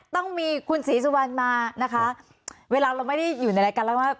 ต้องมีคุณศรีสุวรรณมานะคะเวลาเราไม่ได้อยู่ในรายการแล้วว่า